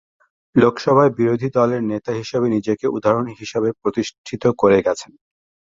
লোকসভায় বিরোধী দলের নেতা হিসেবে নিজেকে উদাহরণ হিসাবে প্রতিষ্ঠিত করে গেছেন।